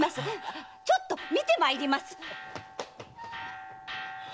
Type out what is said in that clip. ちょっと見てまいります！